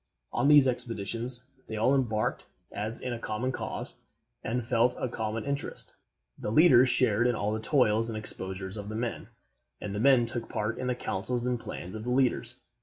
On these expeditions, they all embarked as in a common cause, and felt a common interest. The leaders shared in all the toils and exposures of the men, and the men took part in the counsels and plans of the leaders.